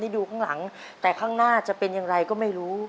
ดูข้างหลังแต่ข้างหน้าจะเป็นอย่างไรก็ไม่รู้